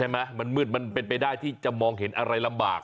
มันมืดมันเป็นไปได้ที่จะมองเห็นอะไรลำบาก